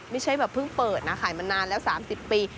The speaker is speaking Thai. ไม่ใช่แบบเพิ่งเปิดนะขายมานานแล้ว๓๐ปี